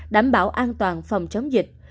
đảm bảo an toàn phòng chống dịch